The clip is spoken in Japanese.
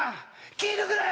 気ぃ抜くなよ！